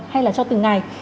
hay là cho từng ngày